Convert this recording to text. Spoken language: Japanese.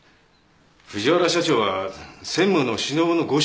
藤原社長は専務のしのぶのご主人ですよ。